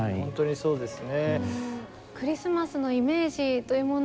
そうですね。